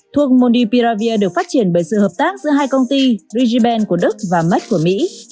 thuốc monopiravir được phát triển bởi sự hợp tác giữa hai công ty regiben của đức và med của mỹ